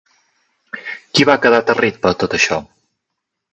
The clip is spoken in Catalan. Qui va quedar aterrit per tot això?